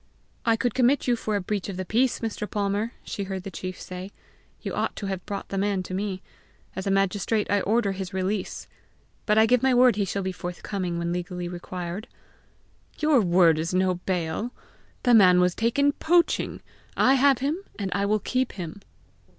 "I could commit you for a breach of the peace, Mr. Palmer," she heard the chief say. "You ought to have brought the man to me. As a magistrate I order his release. But I give my word he shall be forthcoming when legally required." "Your word is no bail. The man was taken poaching; I have him, and I will keep him."